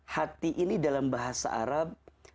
hati ini dalam bahasa arab